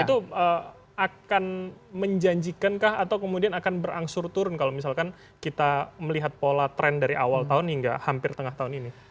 itu akan menjanjikan kah atau kemudian akan berangsur turun kalau misalkan kita melihat pola tren dari awal tahun hingga hampir tengah tahun ini